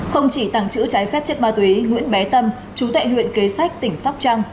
không chỉ tàng chữ trái phép triệt ma tuyến nguyễn bé tâm chú tệ huyện kế sách tỉnh sóc trăng